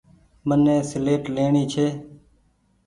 مني سيليٽ ڇي۔